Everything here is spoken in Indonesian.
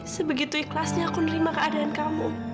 sebegitu ikhlasnya aku nerima keadaan kamu